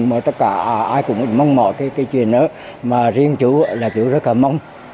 hoặc là ai cũng mong mỏi cái chuyện đó mà riêng chủ là chủ rất là mong